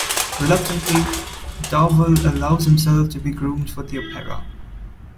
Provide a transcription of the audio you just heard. Reluctantly, Duvalle allows himself to be groomed for the opera.